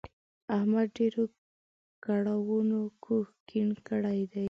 احمد ډېرو کړاوونو کوږ کیڼ کړی دی.